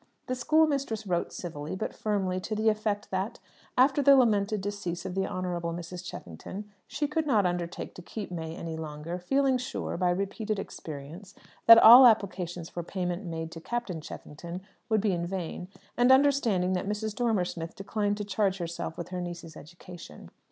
The schoolmistress wrote civilly, but firmly, to the effect that, after the lamented decease of the Honourable Mrs. Cheffington, she could not undertake to keep May any longer; feeling sure, by repeated experience, that all applications for payment made to Captain Cheffington would be in vain, and understanding that Mrs. Dormer Smith declined to charge herself with her niece's education.